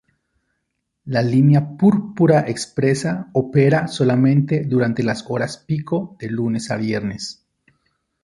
La Línea Púrpura Expresa opera solamente durante las horas pico de lunes a viernes.